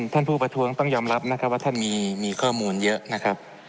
ท่านผู้ประท้วงต้องยอมรับนะครับว่าท่านมีข้อมูลเยอะนะครับ